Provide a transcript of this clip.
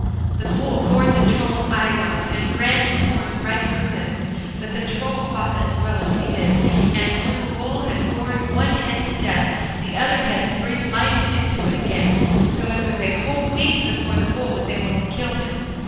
The Bull gored the Troll's eyes out and ran his horns right through him, but the Troll fought as well as he did, and when the Bull had gored one head to death the other heads breathed life into it again, so it was a whole week before the Bull was able to kill him.